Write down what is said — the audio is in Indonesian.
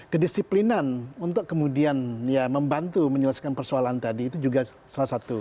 kedisiplinan untuk kemudian ya membantu menyelesaikan persoalan tadi itu juga salah satu